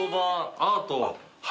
アート。